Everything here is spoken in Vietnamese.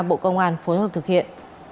bộ công an phối hợp thực hiện